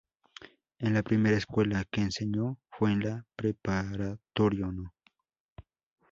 En la primera escuela que enseñó fue en la Preparatorio no.